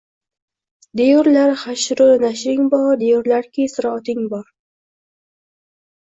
Deyurlar xashru nashring bor, deyurlarki siroting bor